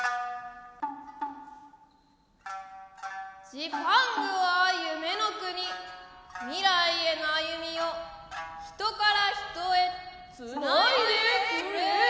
ジパングは夢の国未来への歩みを人から人へつないでくれ！